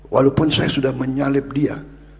walaupun saya sudah menyalip dia